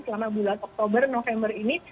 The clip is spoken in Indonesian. selama bulan oktober november ini